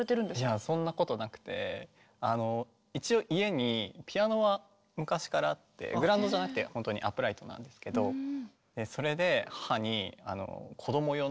いやそんなことなくて一応家にピアノは昔からあってグランドじゃなくてほんとにアップライトなんですけどそれで母に子ども用の「バイエル」